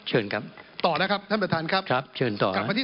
เชิญครับต่อนะครับท่านประธานครับครับเชิญต่อกลับมาที่